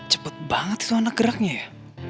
cepet banget soal anak geraknya ya